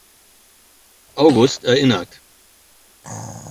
August erinnert.